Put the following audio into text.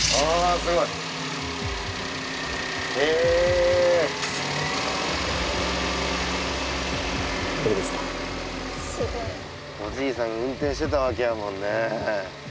すごい。おじいさん運転してたわけやもんね。